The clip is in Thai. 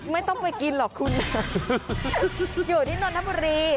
ไม่ต้องไปกินหรอกคุณอยู่ที่นนทบุรี